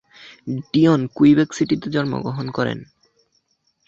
Dion Quebec সিটিতে জন্মগ্রহণ করেন।